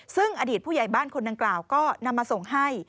ซึ่งอดีตผู้ใหญ่บ้านคนดังกล่าวก็นำมาส่งให้